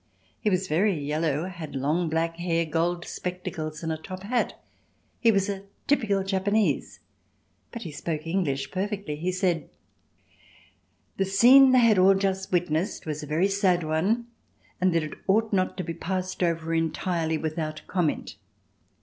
He was very yellow, had long black hair, gold spectacles and a top hat; he was a typical Japanese, but he spoke English perfectly. He said the scene they had all just witnessed was a very sad one and that it ought not to be passed over entirely without comment.